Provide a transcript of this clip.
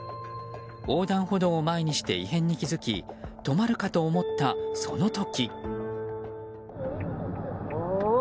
横断歩道を前にして異変に気づき止まるかと思った、その時。